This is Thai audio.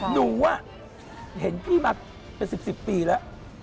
หนูเห็นพี่มาเป็น๑๐ปีแล้ว